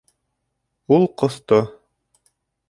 Ул ҡоҫто